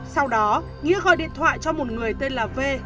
sau đó nghĩa gọi điện thoại cho một người tên là v